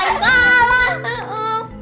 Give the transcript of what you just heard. kagak jalan kalo